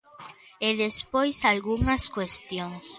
E despois, algunhas cuestións.